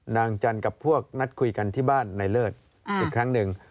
นางจันทร์กับพวกนัดคุยกันที่บ้านนายเลิศอีกครั้งหนึ่ง